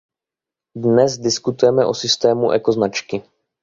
Dnes diskutujeme o systému ekoznačky.